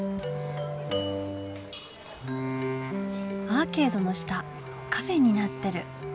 アーケードの下カフェーになってる。